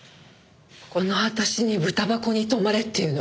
この私にブタ箱に泊まれって言うの？